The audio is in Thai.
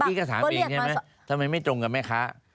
พี่ก็ถามเองใช่ไหมทำไมไม่ตรงกับแม่ค้า